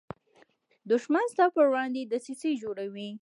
دښمن ستا پر وړاندې دسیسې جوړوي